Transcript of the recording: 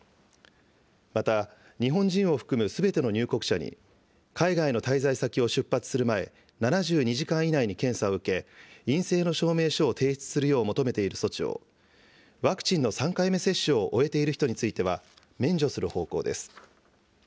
また、日本人を含むすべての入国者に、海外の滞在先を出発する前、７２時間以内に検査を受け、陰性の証明書を提出するよう求めている措置を、ワクチンの３回目接種を終えている人については、免除する方向です。